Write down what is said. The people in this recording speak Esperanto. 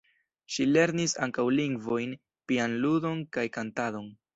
Ŝi lernis ankaŭ lingvojn, pianludon kaj kantadon.